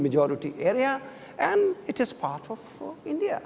dan ini adalah bagian dari india